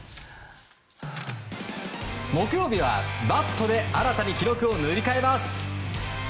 木曜日は、バットで新たに記録を塗り替えます。